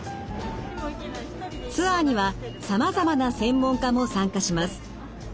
ツアーにはさまざまな専門家も参加します。